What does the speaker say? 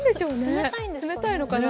冷たいのかな。